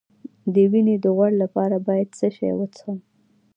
د وینې د غوړ لپاره باید څه شی وڅښم؟